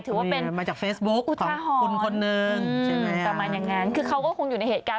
ถือว่าเป็นอุทธาฮรณ์ใช่ไหมครับคือเขาก็คงอยู่ในเหตุการณ์